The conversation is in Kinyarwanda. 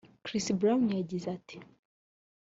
Chris Brown yagize ati